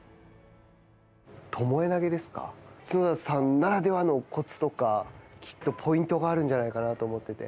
角田さんならではのこつとか、きっとポイントがあるんじゃないかなと思ってて。